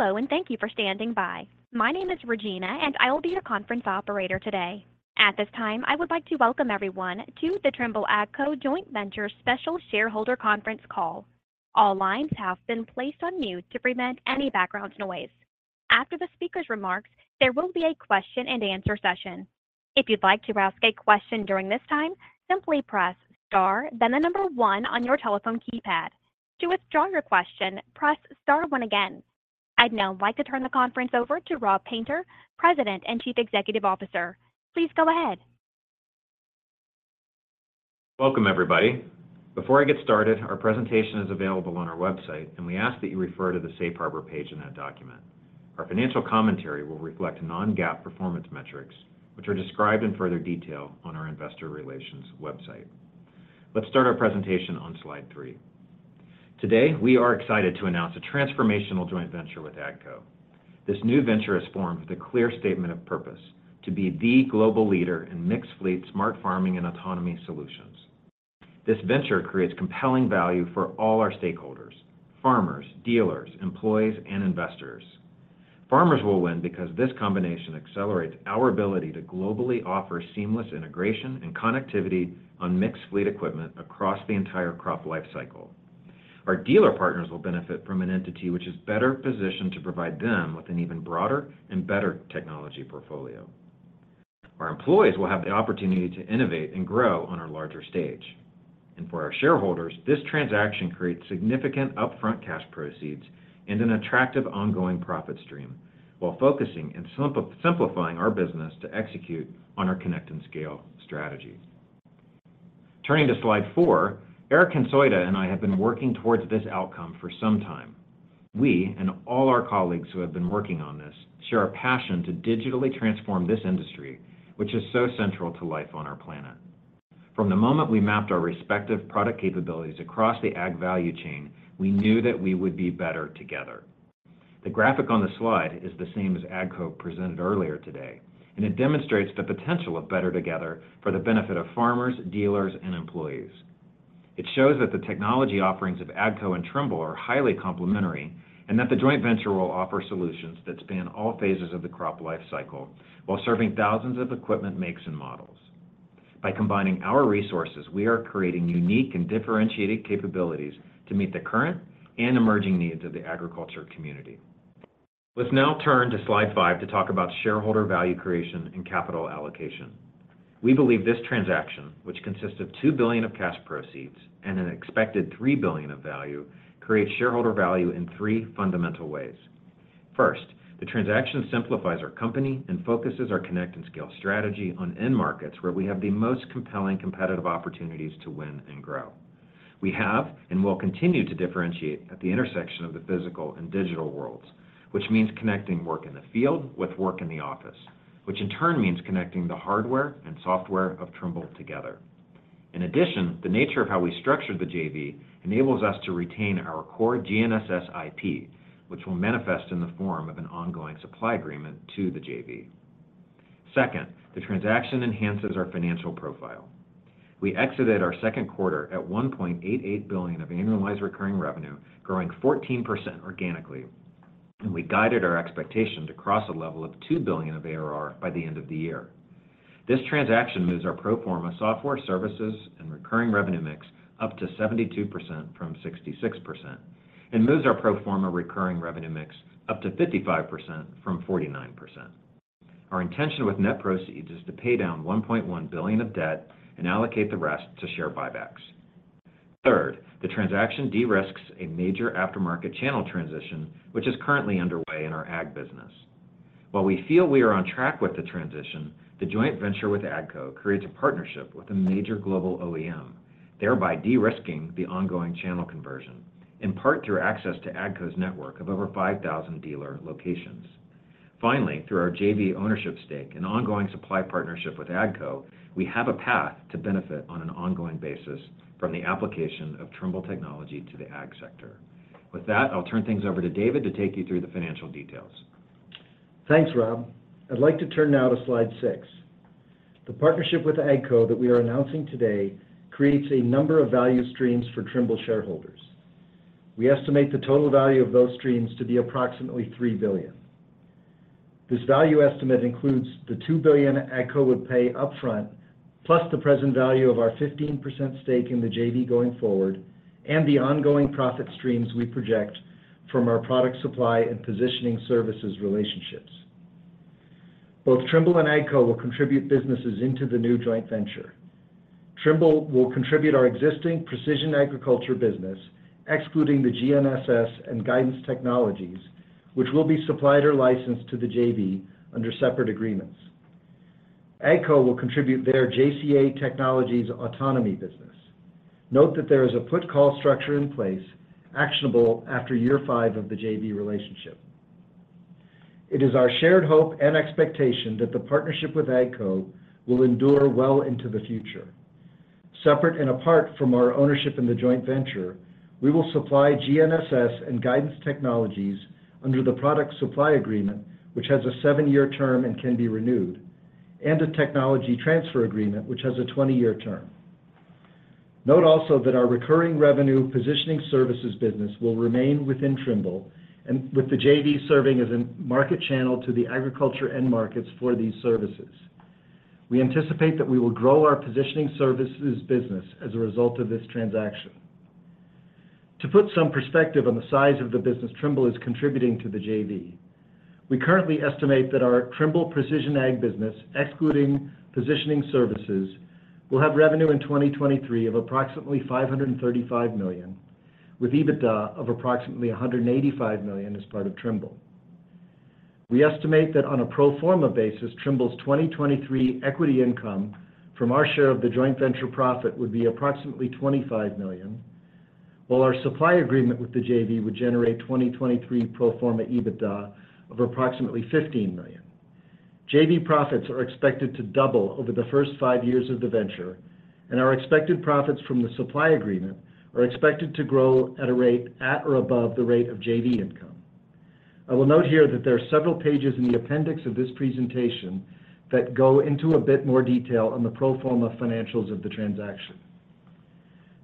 Hello, and thank you for standing by. My name is Regina, and I will be your conference operator today. At this time, I would like to welcome everyone to the Trimble-AGCO Joint Venture Special Shareholder Conference Call. All lines have been placed on mute to prevent any background noise. After the speaker's remarks, there will be a question-and-answer session. If you'd like to ask a question during this time, simply press Star, then the number one on your telephone keypad. To withdraw your question, press Star one again. I'd now like to turn the conference over to Rob Painter, President and Chief Executive Officer. Please go ahead. Welcome, everybody. Before I get started, our presentation is available on our website, and we ask that you refer to the Safe Harbor page in that document. Our financial commentary will reflect non-GAAP performance metrics, which are described in further detail on our investor relations website. Let's start our presentation on Slide 3. Today, we are excited to announce a transformational joint venture with AGCO. This new venture is formed with a clear statement of purpose: to be the global leader in mixed-fleet, smart farming, and autonomy solutions. This venture creates compelling value for all our stakeholders, farmers, dealers, employees, and investors. Farmers will win because this combination accelerates our ability to globally offer seamless integration and connectivity on mixed-fleet equipment across the entire crop life cycle. Our dealer partners will benefit from an entity which is better positioned to provide them with an even broader and better technology portfolio. Our employees will have the opportunity to innovate and grow on our larger stage. And for our shareholders, this transaction creates significant upfront cash proceeds and an attractive ongoing profit stream, while focusing and simplifying our business to execute on our Connect and Scale strategy. Turning to Slide 4, Eric Hansotia and I have been working towards this outcome for some time. We and all our colleagues who have been working on this share a passion to digitally transform this industry, which is so central to life on our planet. From the moment we mapped our respective product capabilities across the ag value chain, we knew that we would be better together. The graphic on the Slide is the same as AGCO presented earlier today, and it demonstrates the potential of better together for the benefit of farmers, dealers, and employees. It shows that the technology offerings of AGCO and Trimble are highly complementary and that the joint venture will offer solutions that span all phases of the crop life cycle while serving thousands of equipment makes and models. By combining our resources, we are creating unique and differentiated capabilities to meet the current and emerging needs of the agriculture community. Let's now turn to Slide 5 to talk about shareholder value creation and capital allocation. We believe this transaction, which consists of $2 billion of cash proceeds and an expected $3 billion of value, creates shareholder value in 3 fundamental ways. First, the transaction simplifies our company and focuses our connect and scale strategy on end markets, where we have the most compelling competitive opportunities to win and grow. We have and will continue to differentiate at the intersection of the physical and digital worlds, which means connecting work in the field with work in the office, which in turn means connecting the hardware and software of Trimble together. In addition, the nature of how we structured the JV enables us to retain our core GNSS IP, which will manifest in the form of an ongoing supply agreement to the JV. Second, the transaction enhances our financial profile. We exited our second quarter at $1.88 billion of annualized recurring revenue, growing 14% organically, and we guided our expectation to cross a level of $2 billion of ARR by the end of the year. This transaction moves our pro forma software services and recurring revenue mix up to 72% from 66% and moves our pro forma recurring revenue mix up to 55% from 49%. Our intention with net proceeds is to pay down $1.1 billion of debt and allocate the rest to share buybacks. Third, the transaction de-risks a major aftermarket channel transition, which is currently underway in our ag business. While we feel we are on track with the transition, the joint venture with AGCO creates a partnership with a major global OEM, thereby de-risking the ongoing channel conversion, in part through access to AGCO's network of over 5,000 dealer locations. Finally, through our JV ownership stake and ongoing supply partnership with AGCO, we have a path to benefit on an ongoing basis from the application of Trimble technology to the ag sector. With that, I'll turn things over to David to take you through the financial details. Thanks, Rob. I'd like to turn now to Slide 6. The partnership with AGCO that we are announcing today creates a number of value streams for Trimble shareholders. We estimate the total value of those streams to be approximately $3 billion. This value estimate includes the $2 billion AGCO would pay upfront, plus the present value of our 15% stake in the JV going forward, and the ongoing profit streams we project from our product supply and Positioning Services relationships. Both Trimble and AGCO will contribute businesses into the new joint venture. Trimble will contribute our existing precision agriculture business, excluding the GNSS and guidance technologies, which will be supplied or licensed to the JV under separate agreements. AGCO will contribute their JCA Technologies autonomy business. Note that there is a put/call structure in place, actionable after year 5 of the JV relationship. It is our shared hope and expectation that the partnership with AGCO will endure well into the future. Separate and apart from our ownership in the joint venture, we will supply GNSS and guidance technologies under the Product Supply Agreement, which has a 7-year term and can be renewed, and a Technology Transfer Agreement, which has a 20-year term. Note also that our recurring revenue Positioning Services business will remain within Trimble and with the JV serving as a market channel to the agriculture end markets for these services. We anticipate that we will grow our Positioning Services business as a result of this transaction. To put some perspective on the size of the business Trimble is contributing to the JV, we currently estimate that our Trimble Precision Ag business, excluding positioning services, will have revenue in 2023 of approximately $535 million, with EBITDA of approximately $185 million as part of Trimble. We estimate that on a pro forma basis, Trimble's 2023 equity income from our share of the joint venture profit would be approximately $25 million, while our supply agreement with the JV would generate 2023 pro forma EBITDA of approximately $15 million. JV profits are expected to double over the first five years of the venture, and our expected profits from the supply agreement are expected to grow at a rate at or above the rate of JV income. I will note here that there are several pages in the appendix of this presentation that go into a bit more detail on the pro forma financials of the transaction.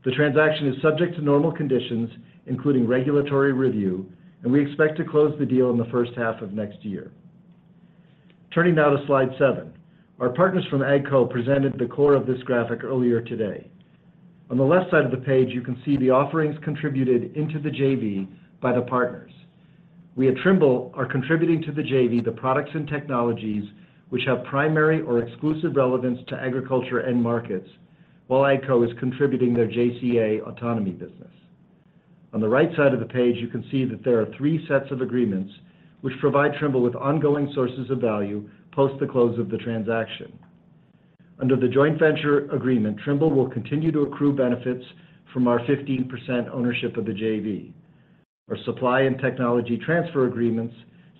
The transaction is subject to normal conditions, including regulatory review, and we expect to close the deal in the first half of next year. Turning now to Slide 7. Our partners from AGCO presented the core of this graphic earlier today. On the left side of the page, you can see the offerings contributed into the JV by the partners. We at Trimble are contributing to the JV, the products and technologies which have primary or exclusive relevance to agriculture end markets, while AGCO is contributing their JCA autonomy business. On the right side of the page, you can see that there are three sets of agreements which provide Trimble with ongoing sources of value post the close of the transaction. Under the joint venture agreement, Trimble will continue to accrue benefits from our 15% ownership of the JV. Our supply and technology transfer agreements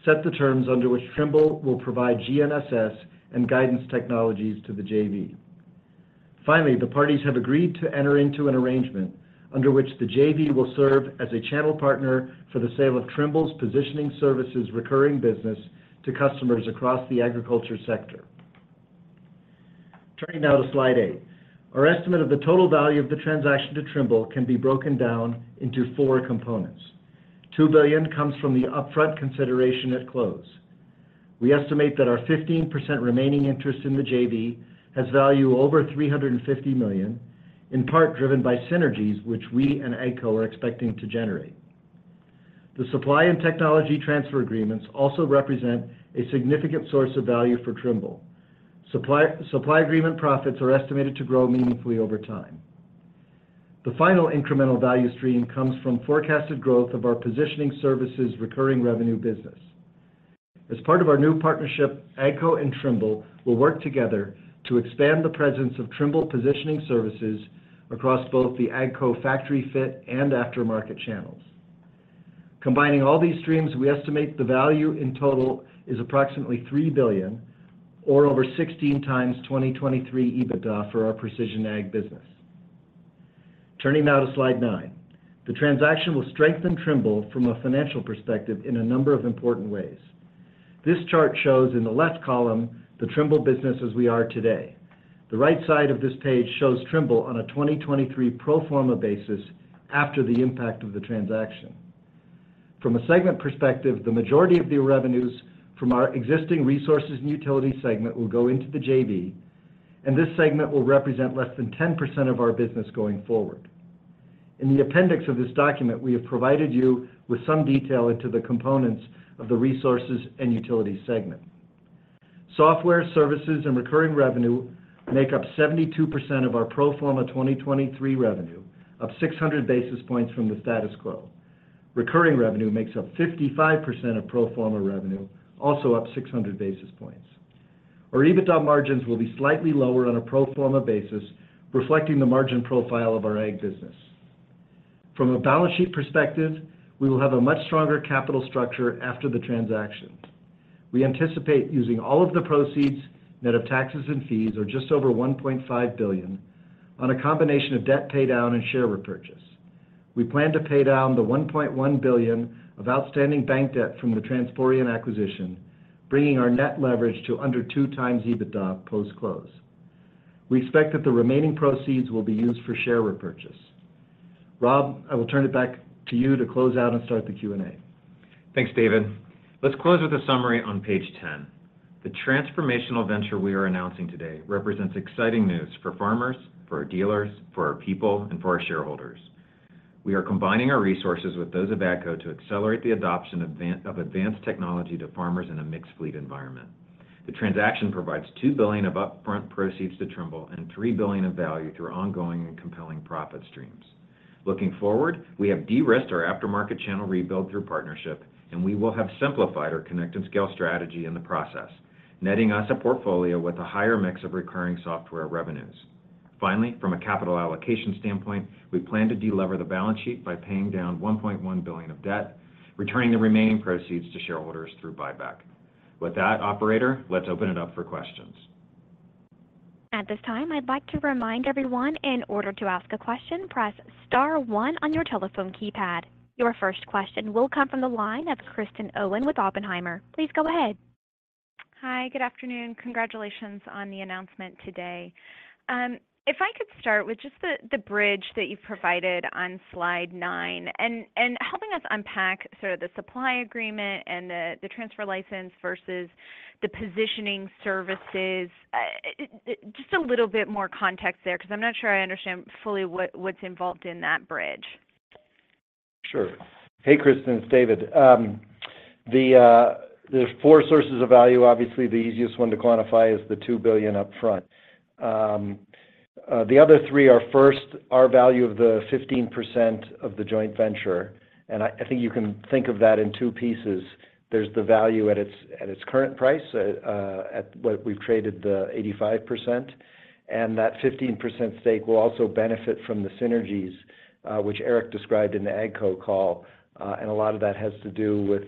set the terms under which Trimble will provide GNSS and guidance technologies to the JV. Finally, the parties have agreed to enter into an arrangement under which the JV will serve as a channel partner for the sale of Trimble's positioning services recurring business to customers across the agriculture sector. Turning now to Slide 8. Our estimate of the total value of the transaction to Trimble can be broken down into 4 components. $2 billion comes from the upfront consideration at close. We estimate that our 15% remaining interest in the JV has value over $350 million, in part driven by synergies, which we and AGCO are expecting to generate. The supply and technology transfer agreements also represent a significant source of value for Trimble. Supply, supply agreement profits are estimated to grow meaningfully over time. The final incremental value stream comes from forecasted growth of our positioning services recurring revenue business. As part of our new partnership, AGCO and Trimble will work together to expand the presence of Trimble positioning services across both the AGCO factory fit and aftermarket channels. Combining all these streams, we estimate the value in total is approximately $3 billion or over 16 times 2023 EBITDA for our precision ag business. Turning now to Slide 9. The transaction will strengthen Trimble from a financial perspective in a number of important ways. This chart shows in the left column, the Trimble business as we are today. The right side of this page shows Trimble on a 2023 pro forma basis after the impact of the transaction. From a segment perspective, the majority of the revenues from our existing Resources and Utilities segment will go into the JV, and this segment will represent less than 10% of our business going forward. In the appendix of this document, we have provided you with some detail into the components of the Resources and Utilities segment. Software, services, and recurring revenue make up 72% of our pro forma 2023 revenue, up 600 basis points from the status quo. Recurring revenue makes up 55% of pro forma revenue, also up 600 basis points. Our EBITDA margins will be slightly lower on a pro forma basis, reflecting the margin profile of our ag business. From a balance sheet perspective, we will have a much stronger capital structure after the transaction. We anticipate using all of the proceeds, net of taxes and fees, or just over $1.5 billion, on a combination of debt paydown and share repurchase. We plan to pay down the $1.1 billion of outstanding bank debt from the Transporeon acquisition, bringing our net leverage to under 2x EBITDA post-close. We expect that the remaining proceeds will be used for share repurchase. Rob, I will turn it back to you to close out and start the Q&A. Thanks, David. Let's close with a summary on page 10. The transformational venture we are announcing today represents exciting news for farmers, for our dealers, for our people, and for our shareholders. We are combining our resources with those of AGCO to accelerate the adoption of advanced technology to farmers in a mixed fleet environment. The transaction provides $2 billion of upfront proceeds to Trimble and $3 billion of value through ongoing and compelling profit streams. Looking forward, we have de-risked our aftermarket channel rebuild through partnership, and we will have simplified our connected scale strategy in the process, netting us a portfolio with a higher mix of recurring software revenues. Finally, from a capital allocation standpoint, we plan to de-lever the balance sheet by paying down $1.1 billion of debt, returning the remaining proceeds to shareholders through buyback. With that, operator, let's open it up for questions. At this time, I'd like to remind everyone, in order to ask a question, press star one on your telephone keypad. Your first question will come from the line of Kristen Owen with Oppenheimer. Please go ahead. Hi, good afternoon. Congratulations on the announcement today. If I could start with just the bridge that you've provided on Slide nine, and helping us unpack sort of the supply agreement and the transfer license versus the positioning services. Just a little bit more context there, 'cause I'm not sure I understand fully what's involved in that bridge. Sure. Hey, Kristen, it's David. There's 4 sources of value. Obviously, the easiest one to quantify is the $2 billion upfront. The other three are, first, our value of the 15% of the joint venture, and I think you can think of that in two pieces. There's the value at its current price, at what we've traded the 85%, and that 15% stake will also benefit from the synergies, which Eric described in the AGCO call. And a lot of that has to do with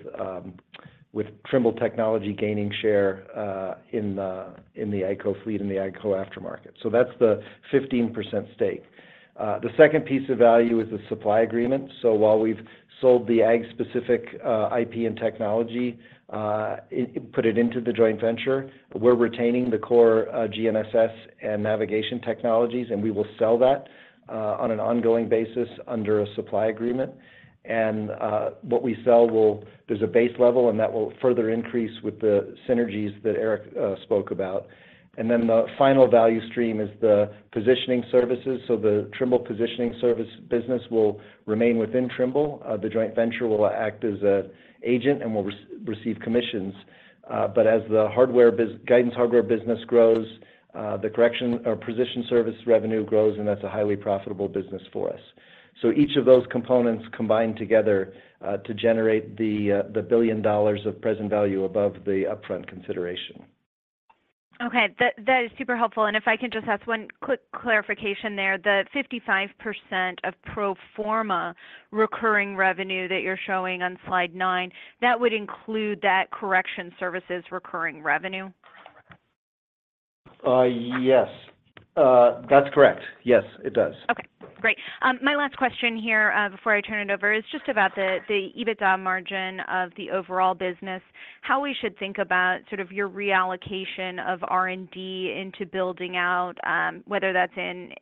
Trimble technology gaining share in the AGCO fleet, in the AGCO aftermarket. So that's the 15% stake. The second piece of value is the supply agreement. So while we've sold the ag-specific IP and technology, it into the joint venture, we're retaining the core GNSS and navigation technologies, and we will sell that on an ongoing basis under a supply agreement. And what we sell will... There's a base level, and that will further increase with the synergies that Eric spoke about. And then, the final value stream is the positioning services. So the Trimble positioning service business will remain within Trimble. The joint venture will act as an agent and will receive commissions. But as the hardware business, guidance hardware business grows, the correction or position service revenue grows, and that's a highly profitable business for us. So each of those components combine together to generate the $1 billion of present value above the upfront consideration. Okay. That, that is super helpful, and if I can just ask one quick clarification there. The 55% of pro forma recurring revenue that you're showing on Slide 9, that would include that correction services recurring revenue? Yes. That's correct. Yes, it does. Okay, great. My last question here, before I turn it over, is just about the EBITDA margin of the overall business. How we should think about sort of your reallocation of R&D into building out, whether that's in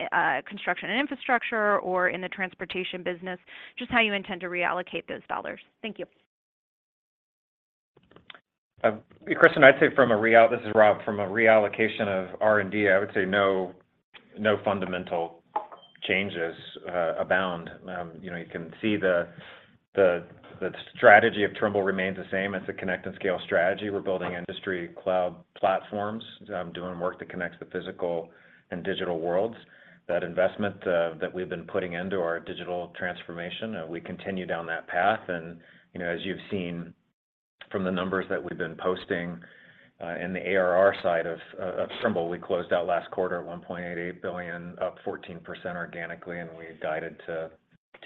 construction and infrastructure or in the Transportation business, just how you intend to reallocate those dollars? Thank you. Kristen, this is Rob. I'd say from a reallocation of R&D, I would say no, no fundamental changes abound. You know, you can see the strategy of Trimble remains the same. It's a connect and scale strategy. We're building industry cloud platforms, doing work that connects the physical and digital worlds. That investment, that we've been putting into our digital transformation, we continue down that path. And, you know, as you've seen from the numbers that we've been posting in the ARR side of Trimble, we closed out last quarter at $1.88 billion, up 14% organically, and we guided to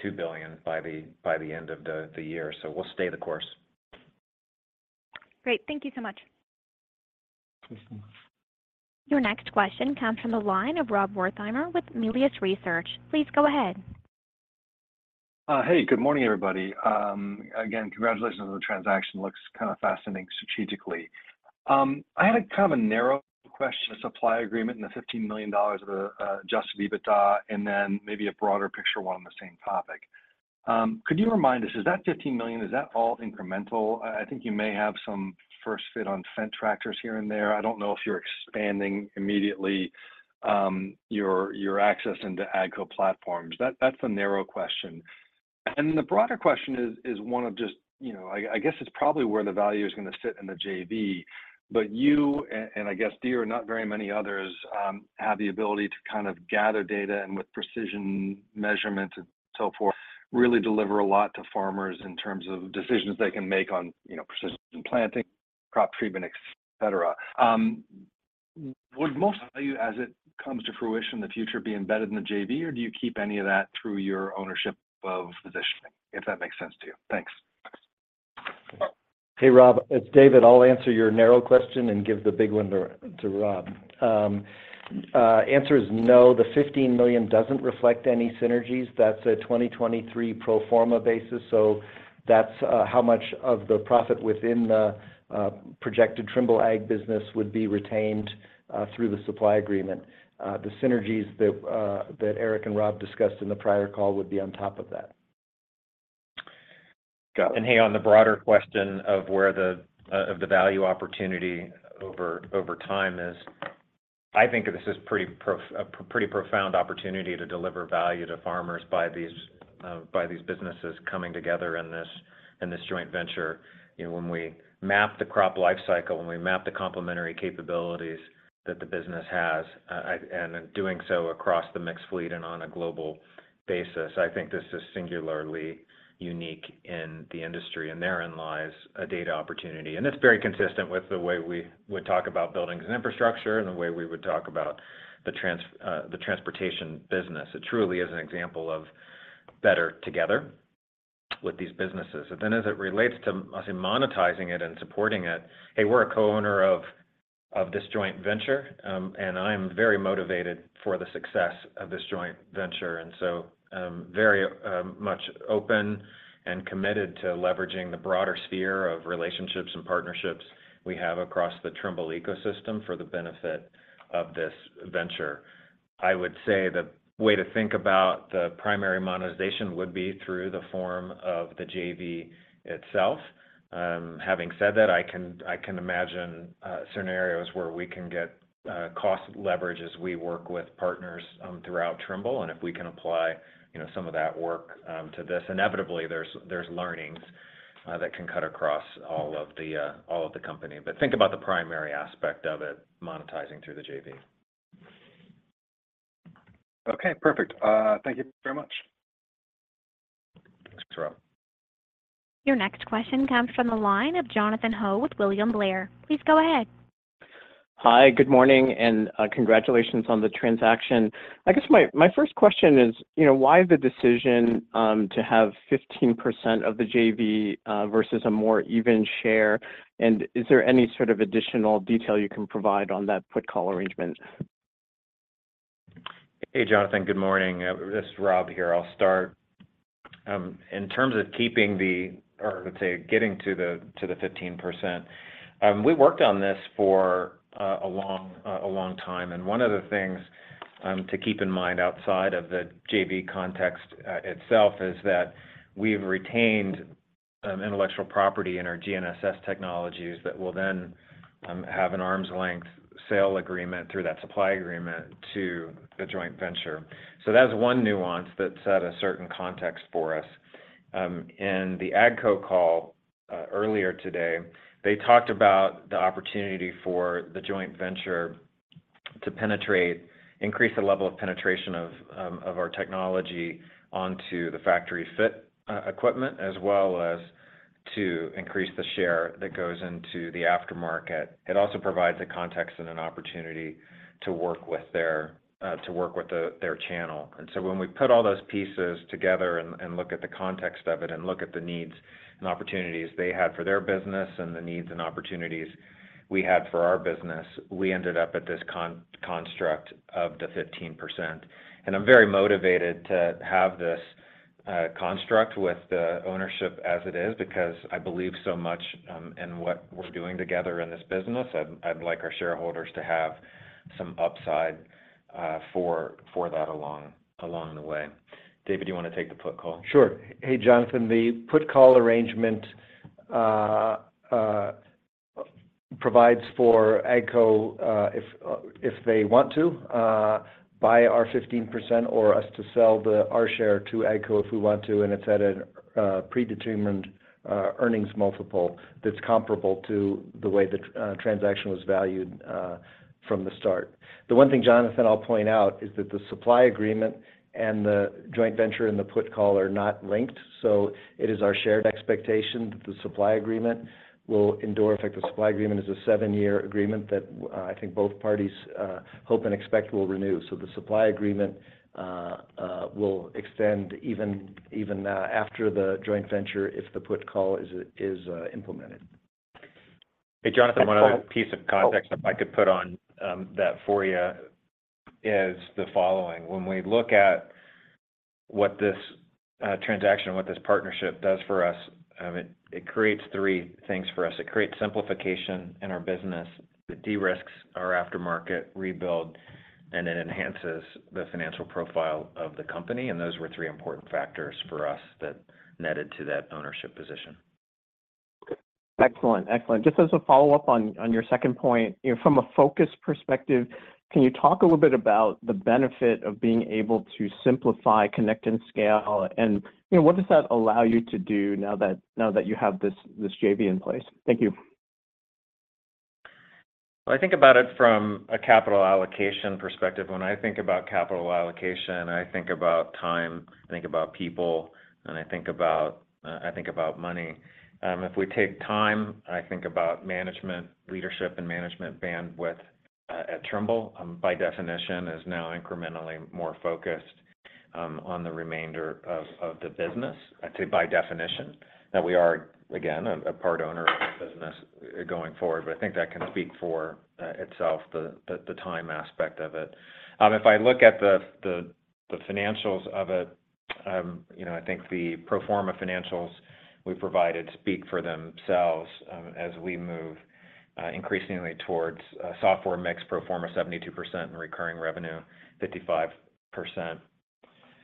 $2 billion by the end of the year. So we'll stay the course. Great. Thank you so much. You're welcome. Your next question comes from the line of Rob Wertheimer with Melius Research. Please go ahead. Hey, good morning, everybody. Again, congratulations on the transaction. Looks kind of fascinating strategically. I had a kind of a narrow question, the supply agreement and the $15 million of adjusted EBITDA, and then maybe a broader picture, one on the same topic. Could you remind us, is that $15 million all incremental? I think you may have some first fit on Fendt tractors here and there. I don't know if you're expanding immediately, your access into AGCO platforms. That's the narrow question. And then the broader question is one of just... You know, I, I guess it's probably where the value is gonna sit in the JV, but you, and, and I guess Deere and not very many others, have the ability to kind of gather data, and with precision measurements and so forth, really deliver a lot to farmers in terms of decisions they can make on, you know, precision planting, crop treatment, et cetera. Would most value, as it comes to fruition in the future, be embedded in the JV, or do you keep any of that through your ownership of positioning? If that makes sense to you. Thanks. Hey, Rob, it's David. I'll answer your narrow question and give the big one to, to Rob. Answer is no. The $15 million doesn't reflect any synergies. That's a 2023 pro forma basis, so that's how much of the profit within the projected Trimble Ag business would be retained through the supply agreement. The synergies that that Eric and Rob discussed in the prior call would be on top of that. Go. Hey, on the broader question of where the value opportunity over time is, I think this is a pretty profound opportunity to deliver value to farmers by these businesses coming together in this joint venture. You know, when we map the crop life cycle, when we map the complementary capabilities that the business has, and in doing so across the mixed fleet and on a global basis, I think this is singularly unique in the industry, and therein lies a data opportunity. It's very consistent with the way we would talk about Buildings and Infrastructure and the way we would talk about the transportation business. It truly is an example of better together with these businesses. And then, as it relates to actually monetizing it and supporting it, hey, we're a co-owner of this joint venture, and I'm very motivated for the success of this joint venture, and so I'm very much open and committed to leveraging the broader sphere of relationships and partnerships we have across the Trimble ecosystem for the benefit of this venture. I would say the way to think about the primary monetization would be through the form of the JV itself. Having said that, I can imagine scenarios where we can get cost leverage as we work with partners throughout Trimble, and if we can apply you know some of that work to this. Inevitably, there's learnings that can cut across all of the company. Think about the primary aspect of it monetizing through the JV. Okay, perfect. Thank you very much. Thanks, Rob. Your next question comes from the line of Jonathan Ho with William Blair. Please go ahead. Hi, good morning, and congratulations on the transaction. I guess my first question is, you know, why the decision to have 15% of the JV versus a more even share? And is there any sort of additional detail you can provide on that put call arrangement? Hey, Jonathan, good morning. This is Rob here. I'll start. In terms of keeping the, or let's say, getting to the 15%, we worked on this for a long time, and one of the things to keep in mind outside of the JV context itself is that we've retained intellectual property in our GNSS technologies that will then have an arm's length sale agreement through that supply agreement to the joint venture. So that's one nuance that set a certain context for us. In the AGCO call earlier today, they talked about the opportunity for the joint venture to increase the level of penetration of our technology onto the factory fit equipment, as well as to increase the share that goes into the aftermarket. It also provides a context and an opportunity to work with their to work with their channel. And so when we put all those pieces together and look at the context of it, and look at the needs and opportunities they have for their business, and the needs and opportunities we have for our business, we ended up at this construct of the 15%. And I'm very motivated to have this construct with the ownership as it is, because I believe so much in what we're doing together in this business, and I'd like our shareholders to have some upside for that along the way. David, do you want to take the put call? Sure. Hey, Jonathan. The put call arrangement provides for AGCO if they want to buy our 15% or us to sell our share to AGCO if we want to, and it's at a predetermined earnings multiple that's comparable to the way the transaction was valued from the start. The one thing, Jonathan, I'll point out, is that the supply agreement and the joint venture and the put call are not linked, so it is our shared expectation that the supply agreement will endure. In fact, the supply agreement is a seven-year agreement that I think both parties hope and expect will renew. So the supply agreement will extend even after the joint venture if the put call is implemented. Hey, Jonathan, one other piece of context- Oh if I could put on that for you, is the following: when we look at what this transaction, what this partnership does for us, it creates three things for us. It creates simplification in our business, it de-risks our aftermarket rebuild, and it enhances the financial profile of the company, and those were three important factors for us that netted to that ownership position. Excellent. Excellent. Just as a follow-up on, on your second point, you know, from a focus perspective, can you talk a little bit about the benefit of being able to simplify, connect, and scale? And, you know, what does that allow you to do now that, now that you have this, this JV in place? Thank you. I think about it from a capital allocation perspective. When I think about capital allocation, I think about time, I think about people, and I think about I think about money. If we take time, I think about management, leadership and management bandwidth at Trimble, by definition, is now incrementally more focused on the remainder of the business. I'd say by definition, that we are, again, a part owner of the business going forward, but I think that can speak for itself, the time aspect of it. If I look at the financials of it, you know, I think the pro forma financials we provided speak for themselves, as we move increasingly towards software mix pro forma 72% and recurring revenue, 55%.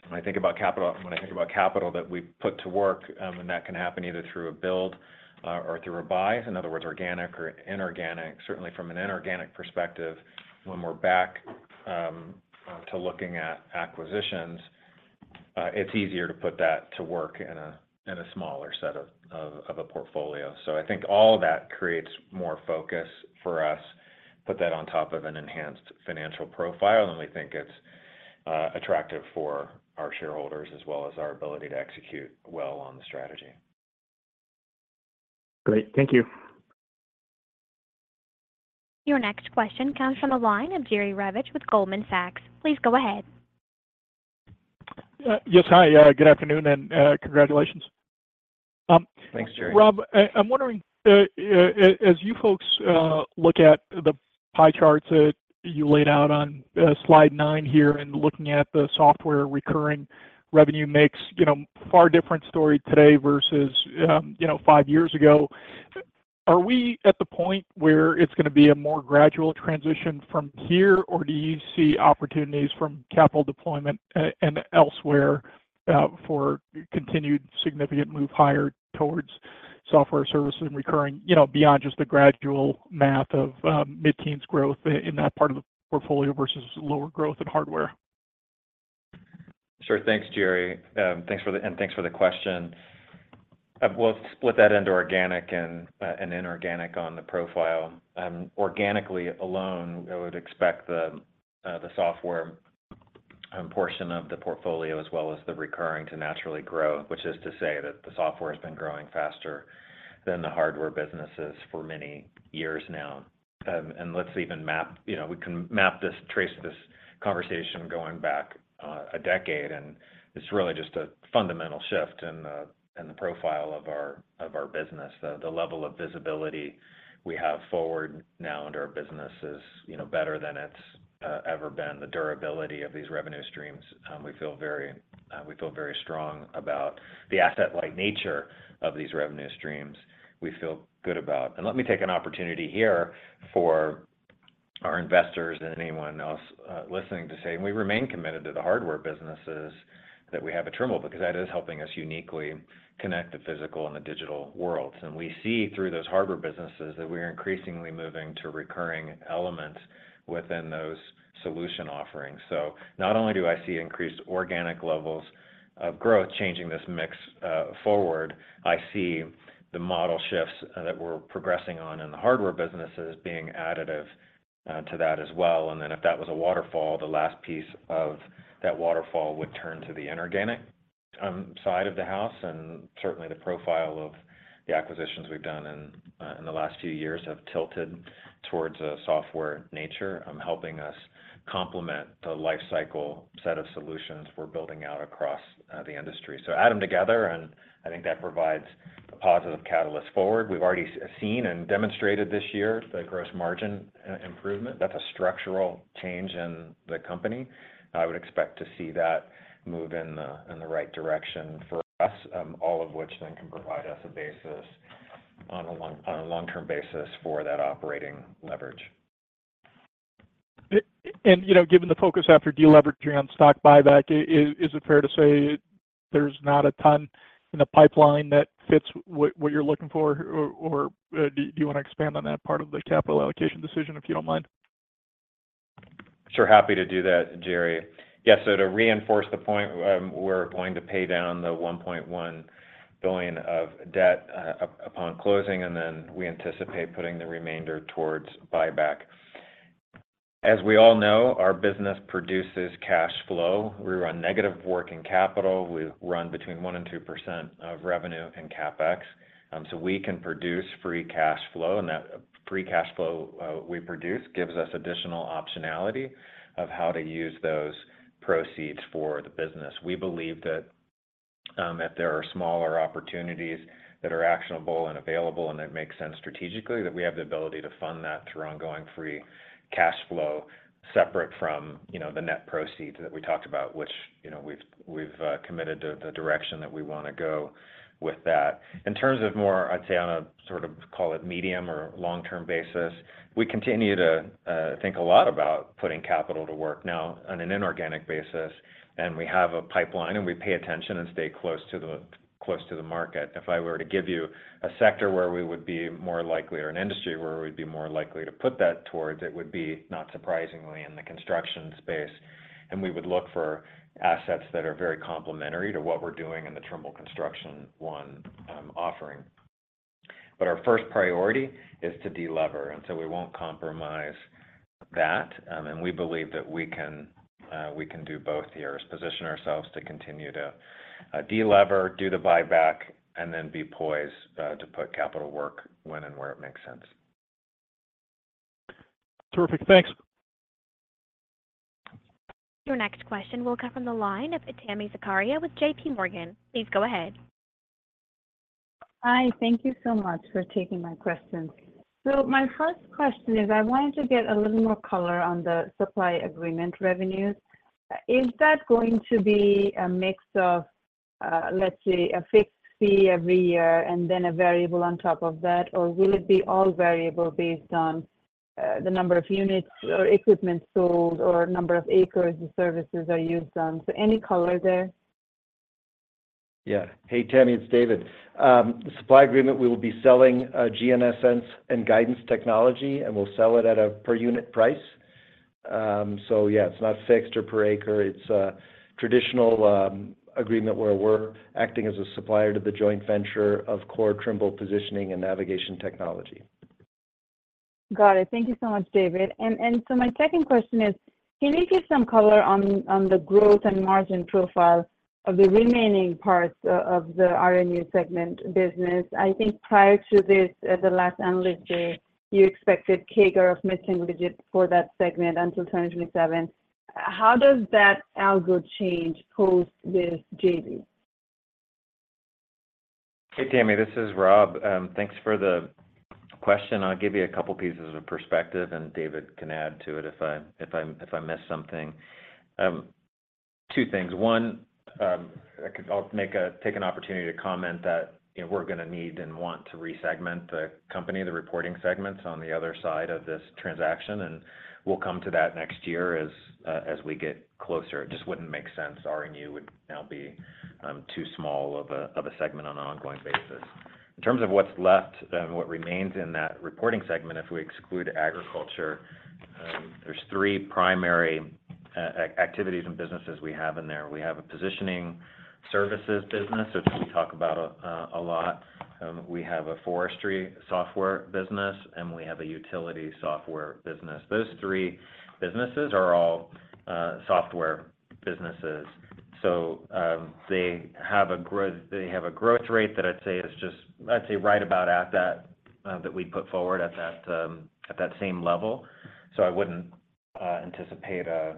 When I think about capital... When I think about capital that we put to work, and that can happen either through a build or through a buy, in other words, organic or inorganic. Certainly from an inorganic perspective, when we're back to looking at acquisitions, it's easier to put that to work in a smaller set of a portfolio. So I think all that creates more focus for us. Put that on top of an enhanced financial profile, and we think it's attractive for our shareholders, as well as our ability to execute well on the strategy. Great. Thank you. Your next question comes from the line of Jerry Revich with Goldman Sachs. Please go ahead. Yes, hi. Good afternoon and congratulations. Thanks, Jerry. Rob, I'm wondering, as you folks look at the pie charts that you laid out on Slide 9 here, and looking at the software recurring revenue makes, you know, far different story today versus 5 years ago. Are we at the point where it's gonna be a more gradual transition from here, or do you see opportunities from capital deployment and elsewhere for continued significant move higher towards software services and recurring, you know, beyond just the gradual math of mid-teens growth in that part of the portfolio versus lower growth in hardware? Sure. Thanks, Jerry. Thanks for the question. We'll split that into organic and inorganic on the profile. Organically alone, I would expect the software portion of the portfolio, as well as the recurring to naturally grow, which is to say that the software has been growing faster than the hardware businesses for many years now. And let's even map. You know, we can map this, trace this conversation going back a decade, and it's really just a fundamental shift in the profile of our business. The level of visibility we have forward now into our business is, you know, better than it's ever been. The durability of these revenue streams, we feel very, we feel very strong about the asset-like nature of these revenue streams we feel good about. And let me take an opportunity here for our investors and anyone else, listening to say, we remain committed to the hardware businesses that we have at Trimble, because that is helping us uniquely connect the physical and the digital worlds. And we see through those hardware businesses that we are increasingly moving to recurring elements within those solution offerings. So not only do I see increased organic levels of growth changing this mix, forward, I see the model shifts that we're progressing on in the hardware businesses being additive, to that as well. And then, if that was a waterfall, the last piece of that waterfall would turn to the inorganic side of the house, and certainly the profile of the acquisitions we've done in the last few years have tilted towards a software nature, helping us complement the life cycle set of solutions we're building out across the industry. So add them together, and I think that provides a positive catalyst forward. We've already seen and demonstrated this year the gross margin improvement. That's a structural change in the company. I would expect to see that move in the right direction for us, all of which then can provide us a basis on a long-term basis for that operating leverage. You know, given the focus after deleveraging on stock buyback, is it fair to say there's not a ton in the pipeline that fits what you're looking for? Or, do you want to expand on that part of the capital allocation decision, if you don't mind? Sure, happy to do that, Jerry. Yeah, so to reinforce the point, we're going to pay down the $1.1 billion of debt upon closing, and then we anticipate putting the remainder towards buyback. As we all know, our business produces cash flow. We run negative working capital. We run between 1%-2% of revenue and CapEx, so we can produce free cash flow, and that free cash flow we produce gives us additional optionality of how to use those proceeds for the business. We believe that if there are smaller opportunities that are actionable and available and that make sense strategically, that we have the ability to fund that through ongoing free cash flow, separate from, you know, the net proceeds that we talked about, which, you know, we've committed to the direction that we wanna go with that. In terms of more, I'd say, on a sort of, call it, medium or long-term basis, we continue to think a lot about putting capital to work now on an inorganic basis, and we have a pipeline, and we pay attention and stay close to the market. If I were to give you a sector where we would be more likely, or an industry where we'd be more likely to put that towards, it would be, not surprisingly, in the construction space, and we would look for assets that are very complementary to what we're doing in the Trimble Construction One offering. But our first priority is to delever, and so we won't compromise that. And we believe that we can do both here, is position ourselves to continue to delever, do the buyback, and then be poised to put capital to work when and where it makes sense. Terrific. Thanks. Your next question will come from the line of. Please go ahead. Hi, thank you so much for taking my questions. My first question is, I wanted to get a little more color on the supply agreement revenues. Is that going to be a mix of, let's say, a fixed fee every year and then a variable on top of that? Or will it be all variable based on, the number of units or equipment sold, or number of acres the services are used on? So any color there? Yeah. Hey, Tami, it's David. The supply agreement, we will be selling GNSS and guidance technology, and we'll sell it at a per unit price. So yeah, it's not fixed or per acre. It's a traditional agreement where we're acting as a supplier to the joint venture of core Trimble positioning and navigation technology. Got it. Thank you so much, David. So my second question is: Can you give some color on the growth and margin profile of the remaining parts of the RNU segment business? I think prior to this, at the last Analyst Day, you expected CAGR of mid-single digits for that segment until 2027. How does that outlook change post this JV? Hey, Tami, this is Rob. Thanks for the question. I'll give you a couple pieces of perspective, and David can add to it if I miss something. Two things: One, I'll take an opportunity to comment that, you know, we're gonna need and want to re-segment the company, the reporting segments, on the other side of this transaction, and we'll come to that next year as we get closer. It just wouldn't make sense. RNU would now be too small of a segment on an ongoing basis. In terms of what's left and what remains in that reporting segment, if we exclude agriculture, there's three primary activities and businesses we have in there. We have a positioning services business, which we talk about a lot. We have a forestry software business, and we have a utility software business. Those three businesses are all software businesses, so they have a growth, they have a growth rate that I'd say is just I'd say right about at that that we'd put forward at that at that same level. So I wouldn't anticipate a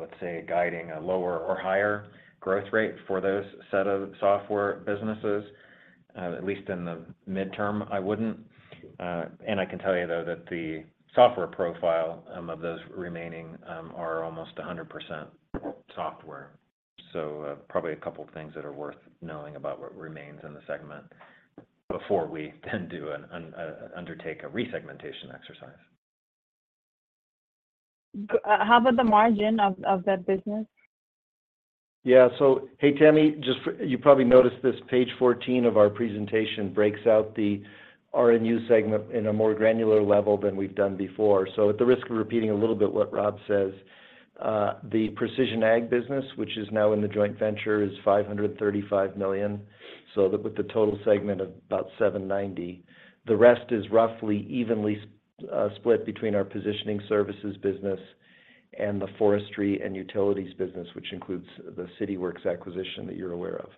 let's say guiding a lower or higher growth rate for those set of software businesses, at least in the midterm, I wouldn't. And I can tell you, though, that the software profile of those remaining are almost 100% software. So probably a couple things that are worth knowing about what remains in the segment before we then undertake a resegmentation exercise. How about the margin of that business? Yeah. So, hey, Tammy, just for. You probably noticed this, page 14 of our presentation breaks out the RNU segment in a more granular level than we've done before. So at the risk of repeating a little bit what Rob says, the precision ag business, which is now in the joint venture, is $535 million, so with the total segment of about $790. The rest is roughly evenly split between our positioning services business and the Forestry and Utilities business, which includes the Cityworks acquisition that you're aware of.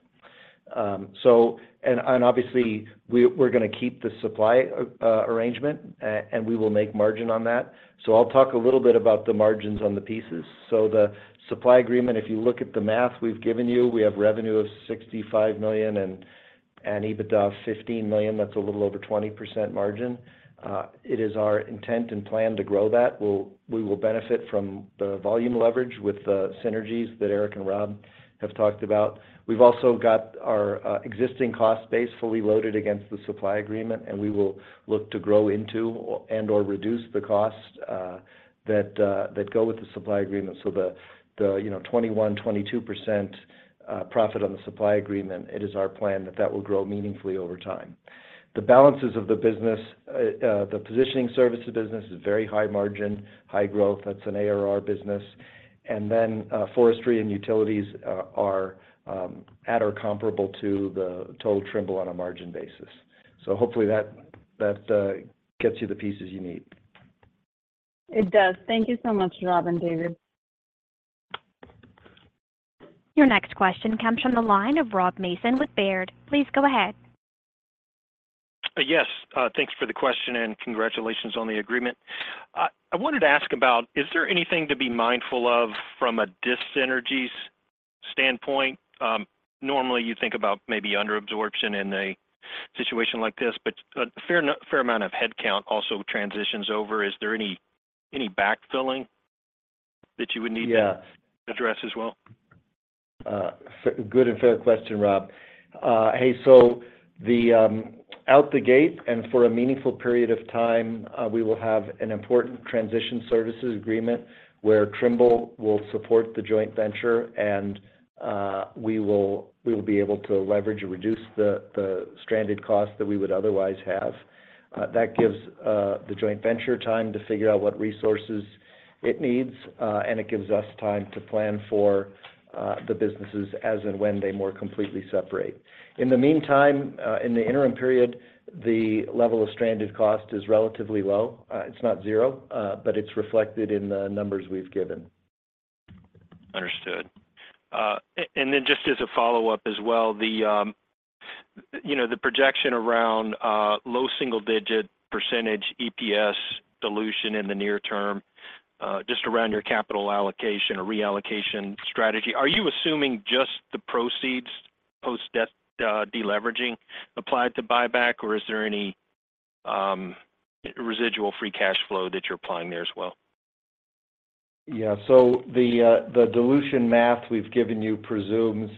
So, and obviously, we're gonna keep the supply arrangement, and we will make margin on that. So I'll talk a little bit about the margins on the pieces. So the supply agreement, if you look at the math we've given you, we have revenue of $65 million and EBITDA of $15 million. That's a little over 20% margin. It is our intent and plan to grow that. We will benefit from the volume leverage with the synergies that Eric and Rob have talked about. We've also got our existing cost base fully loaded against the supply agreement, and we will look to grow into or, and/or reduce the cost that go with the supply agreement. So the, you know, 21%-22% profit on the supply agreement, it is our plan that that will grow meaningfully over time. The balances of the business, the positioning services business is very high margin, high growth. That's an ARR business. And then, forestry and utilities are at or comparable to the total Trimble on a margin basis. So hopefully that gets you the pieces you need. It does. Thank you so much, Rob and David. Your next question comes from the line of Rob Mason with Baird. Please go ahead. Yes. Thanks for the question, and congratulations on the agreement. I wanted to ask about, is there anything to be mindful of from a dissynergies standpoint? Normally, you think about maybe under absorption in a situation like this, but a fair amount of headcount also transitions over. Is there any backfilling that you would need- Yeah to address as well? Good and fair question, Rob. Hey, so out the gate and for a meaningful period of time, we will have an important transition services agreement, where Trimble will support the joint venture, and we will, we will be able to leverage and reduce the, the stranded cost that we would otherwise have. That gives the joint venture time to figure out what resources it needs, and it gives us time to plan for the businesses as and when they more completely separate. In the meantime, in the interim period, the level of stranded cost is relatively low. It's not zero, but it's reflected in the numbers we've given. Understood. And then just as a follow-up as well, the, you know, the projection around low single-digit % EPS dilution in the near term, just around your capital allocation or reallocation strategy, are you assuming just the proceeds post-debt deleveraging applied to buyback, or is there any residual free cash flow that you're applying there as well? Yeah. So the dilution math we've given you presumes...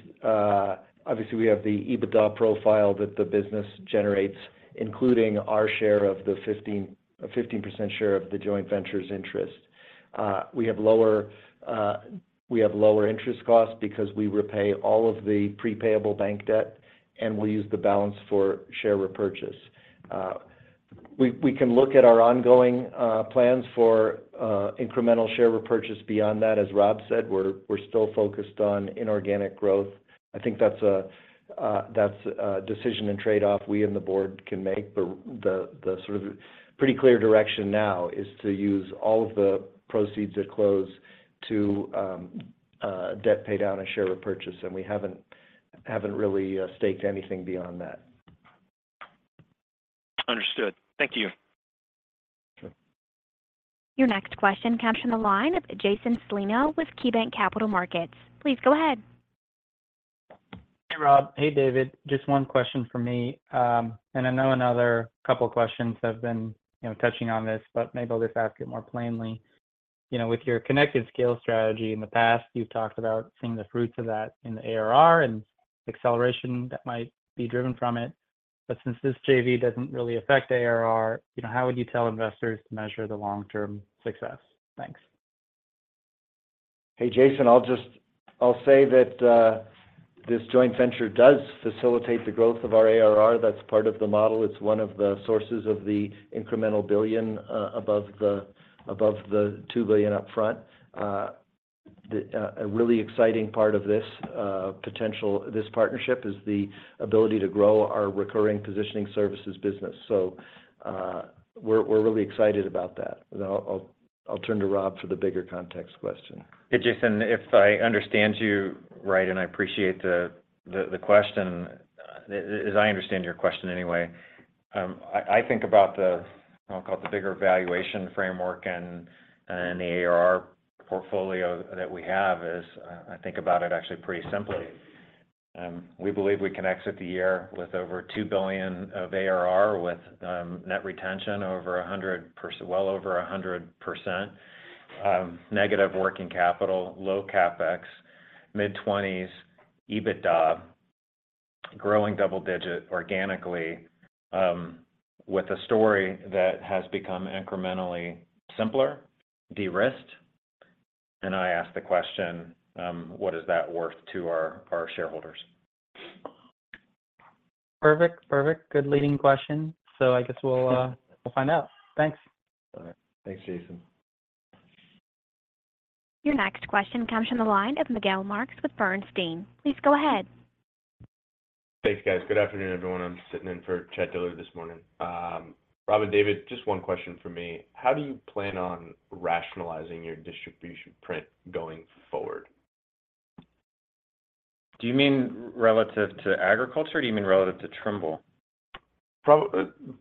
Obviously, we have the EBITDA profile that the business generates, including our share of the 15% share of the joint venture's interest. We have lower interest costs because we repay all of the pre-payable bank debt, and we use the balance for share repurchase. We can look at our ongoing plans for incremental share repurchase beyond that. As Rob said, we're still focused on inorganic growth. I think that's a decision and trade-off we and the board can make. But the sort of pretty clear direction now is to use all of the proceeds at close to debt paydown and share repurchase, and we haven't really staked anything beyond that. Understood. Thank you. Your next question comes from the line of Jason Celino with KeyBanc Capital Markets. Please go ahead. Hey, Rob. Hey, David. Just one question for me. I know another couple questions have been, you know, touching on this, but maybe I'll just ask it more plainly. You know, with your connected scale strategy in the past, you've talked about seeing the fruits of that in the ARR and acceleration that might be driven from it. But since this JV doesn't really affect ARR, you know, how would you tell investors to measure the long-term success? Thanks. Hey, Jason. I'll just say that this joint venture does facilitate the growth of our ARR. That's part of the model. It's one of the sources of the incremental $1 billion above the above the $2 billion upfront. A really exciting part of this potential partnership is the ability to grow our recurring positioning services business. So, we're really excited about that. Then I'll turn to Rob for the bigger context question. Hey, Jason, if I understand you right, and I appreciate the question, as I understand your question anyway, I think about the—I'll call it the bigger valuation framework and the ARR portfolio that we have. I think about it actually pretty simply. We believe we can exit the year with over $2 billion of ARR, with net retention over 100%—well over 100%, negative working capital, low CapEx, mid-twenties EBITDA, growing double-digit organically, with a story that has become incrementally simpler, de-risked. I ask the question, what is that worth to our, our shareholders? Perfect. Perfect. Good leading question. So I guess we'll, we'll find out. Thanks. All right. Thanks, Jason. Your next question comes from the line of Miguel Marks with Bernstein. Please go ahead. Thanks, guys. Good afternoon, everyone. I'm sitting in for Chad Dillard this morning. Rob and David, just one question for me. How do you plan on rationalizing your distribution footprint going forward? Do you mean relative to agriculture, or do you mean relative to Trimble?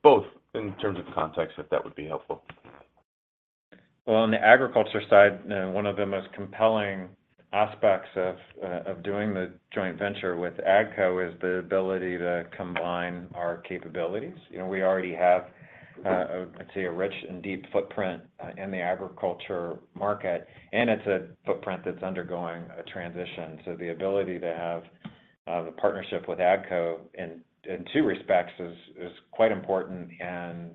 Both, in terms of context, if that would be helpful. Well, on the agriculture side, one of the most compelling aspects of doing the joint venture with AGCO is the ability to combine our capabilities. You know, we already have, I'd say, a rich and deep footprint in the agriculture market, and it's a footprint that's undergoing a transition. So the ability to have the partnership with AGCO in two respects is quite important and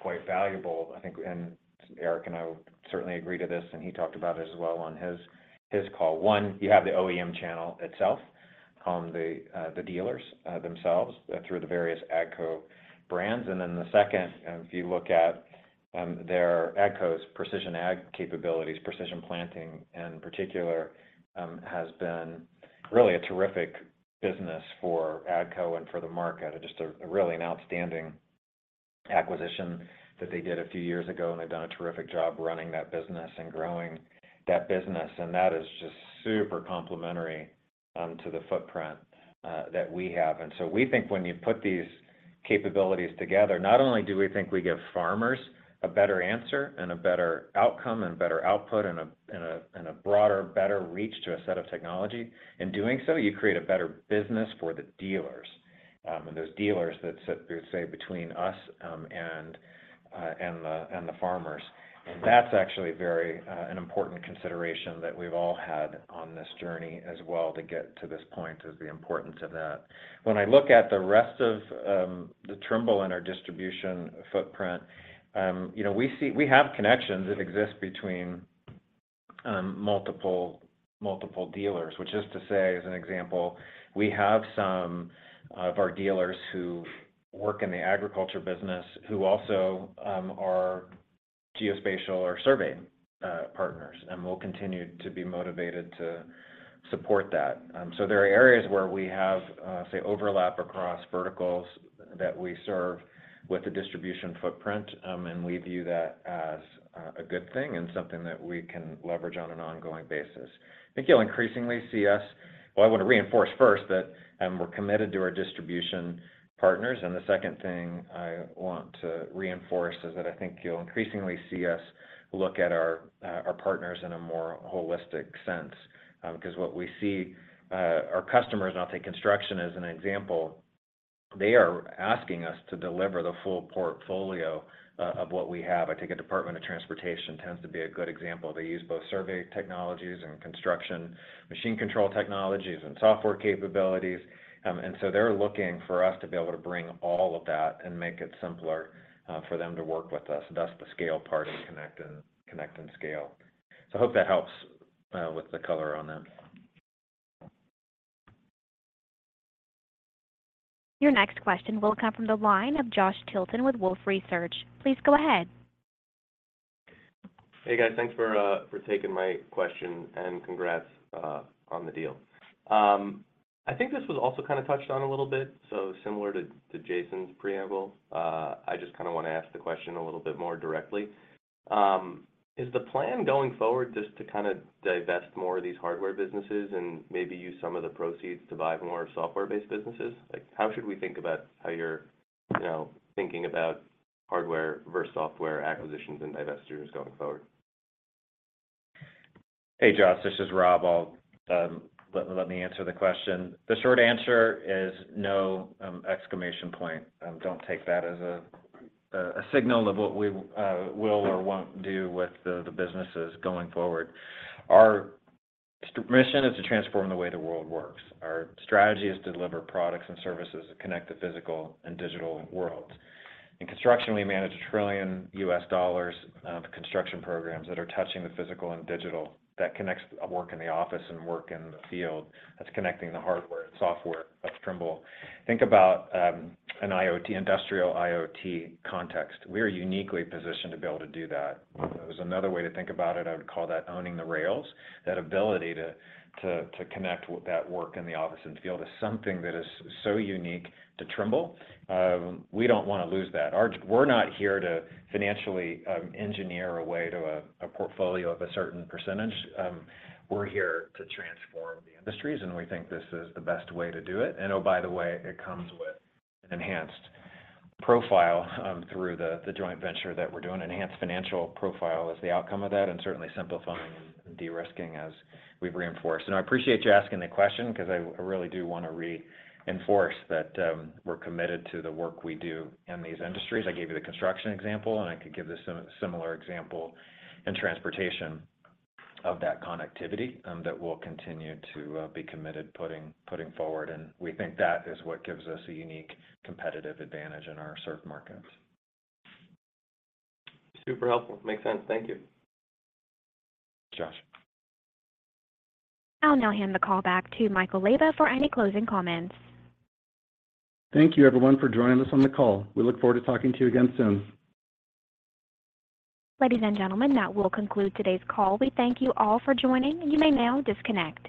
quite valuable, I think. And Eric and I certainly agree to this, and he talked about it as well on his call. One, you have the OEM channel itself, the dealers themselves through the various AGCO brands. And then the second, if you look at their AGCO's Precision Ag capabilities, Precision Planting, in particular, has been really a terrific business for AGCO and for the market. Just really outstanding acquisition that they did a few years ago, and they've done a terrific job running that business and growing that business, and that is just super complementary to the footprint that we have. And so we think when you put these capabilities together, not only do we think we give farmers a better answer and a better outcome and better output and a broader, better reach to a set of technology. In doing so, you create a better business for the dealers. And those dealers that sit, say, between us and the farmers. And that's actually very important consideration that we've all had on this journey as well, to get to this point, is the importance of that. When I look at the rest of the Trimble in our distribution footprint, you know, we see we have connections that exist between multiple dealers. Which is to say, as an example, we have some of our dealers who work in the agriculture business, who also are geospatial or surveying partners, and we'll continue to be motivated to support that. So there are areas where we have, say, overlap across verticals that we serve with the distribution footprint, and we view that as a good thing and something that we can leverage on an ongoing basis. I think you'll increasingly see us... Well, I want to reinforce first that we're committed to our distribution partners, and the second thing I want to reinforce is that I think you'll increasingly see us look at our our partners in a more holistic sense. Because what we see our customers, and I'll take construction as an example, they are asking us to deliver the full portfolio of of what we have. I think the Department of Transportation tends to be a good example. They use both survey technologies and construction, machine control technologies and software capabilities. And so they're looking for us to be able to bring all of that and make it simpler for them to work with us. Thus, the scale part is connect and connect and scale. So I hope that helps with the color on them. Your next question will come from the line of Josh Tilton with Wolfe Research. Please go ahead. Hey, guys. Thanks for taking my question, and congrats on the deal. I think this was also kind of touched on a little bit, so similar to Jason's preamble, I just kinda want to ask the question a little bit more directly. Is the plan going forward just to kind of divest more of these hardware businesses and maybe use some of the proceeds to buy more software-based businesses? Like, how should we think about how you're, you know, thinking about hardware versus software acquisitions and divestitures going forward? Hey, Josh, this is Rob. I'll let me answer the question. The short answer is no, exclamation point. Don't take that as a signal of what we will or won't do with the businesses going forward. Our mission is to transform the way the world works. Our strategy is to deliver products and services that connect the physical and digital worlds. In construction, we manage $1 trillion construction programs that are touching the physical and digital. That connects work in the office and work in the field. That's connecting the hardware and software of Trimble. Think about an IoT, industrial IoT context. We are uniquely positioned to be able to do that. If there was another way to think about it, I would call that owning the rails, that ability to connect that work in the office and field is something that is so unique to Trimble. We don't wanna lose that. We're not here to financially engineer a way to a portfolio of a certain percentage. We're here to transform the industries, and we think this is the best way to do it. And, oh, by the way, it comes with an enhanced profile through the joint venture that we're doing. Enhanced financial profile is the outcome of that, and certainly simplifying and de-risking as we've reinforced. And I appreciate you asking the question 'cause I really do wanna reinforce that, we're committed to the work we do in these industries. I gave you the construction example, and I could give a similar example in transportation of that connectivity, that we'll continue to be committed putting forward, and we think that is what gives us a unique competitive advantage in our served markets. Super helpful. Makes sense. Thank you. Josh. I'll now hand the call back to Michael Leyba for any closing comments. Thank you, everyone, for joining us on the call. We look forward to talking to you again soon. Ladies and gentlemen, that will conclude today's call. We thank you all for joining, and you may now disconnect.